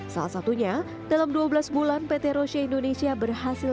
salah satunya dalam dua belas bulan pt roshi indonesia berhasil